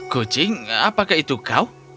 kucing apakah itu kau